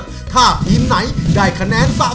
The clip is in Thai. โดยการแข่งขาวของทีมเด็กเสียงดีจำนวนสองทีม